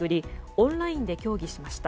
オンラインで協議しました。